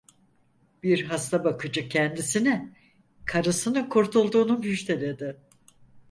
Bir hastabakıcı kendisine karısının kurtulduğunu müjdeledi.